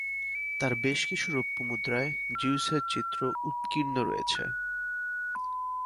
তাঁর বেশ কিছু রৌপ্য মুদ্রায় জিউসের চিত্র উৎকীর্ণ রয়েছে।